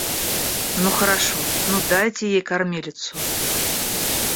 Ну, хорошо, ну дайте ей кормилицу.